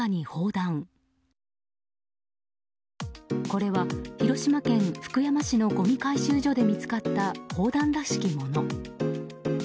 これは、広島県福山市のごみ回収所で見つかった砲弾らしきもの。